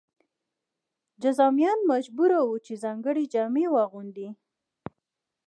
جذامیان مجبور وو چې ځانګړې جامې واغوندي.